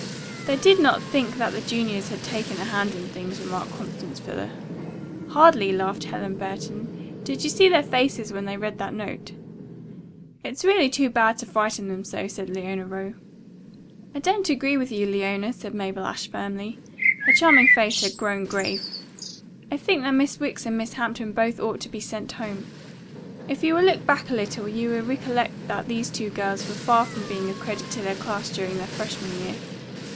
"They did not think that the juniors had taken a hand in things," remarked Constance Fuller. "Hardly," laughed Helen Burton. "Did you see their faces when they read that note?" "It's really too bad to frighten them so," said Leona Rowe. "I don't agree with you, Leona," said Mabel Ashe firmly. Her charming face had grown grave. "I think that Miss Wicks and Miss Hampton both ought to be sent home. If you will look back a little you will recollect that these two girls were far from being a credit to their class during their freshman year.